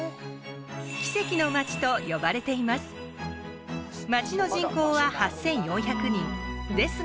「奇跡の町」と呼ばれています。